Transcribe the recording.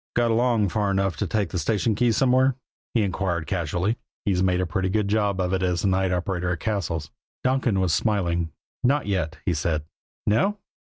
"Got along far enough to take a station key somewhere?" he inquired casually. "He's made a pretty good job of it as the night operator at Cassil's." Donkin was smiling. "Not yet," he said. "No?"